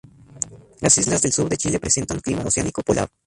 Las islas del sur de Chile presentan clima Oceánico Polar.